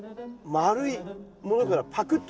丸いものからパクッと。